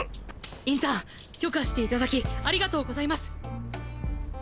インターン許可して頂きありがとうこざいます。